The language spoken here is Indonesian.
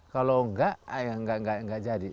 kalau nggak nggak nggak nggak jadi